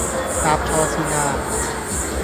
搭錯線呀